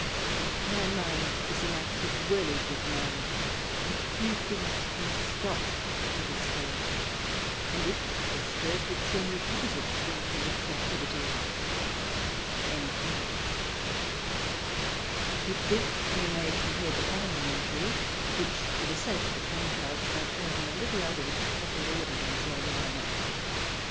My mind is an active whirligig mind, which few things can stop to disturb, and if disturbed it soon recovers its Strength and its Activity." With this we may compare the following entry : which for the sake of the contrast I have taken a little out of its proper order in Thraliana.